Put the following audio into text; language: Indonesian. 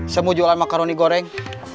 semua jualan makaroni goreng